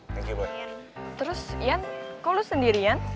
terus yan kok lo sendirian